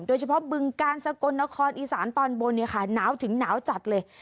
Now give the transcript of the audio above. โดยเฉพาะบึงการสกลนครอสอีสานตอนบนนี่ค่ะหนาวถึงหนาวจัดเลย